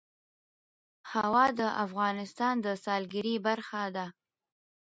هوا د افغانستان د سیلګرۍ برخه ده.